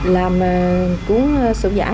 làm cuốn sổ giả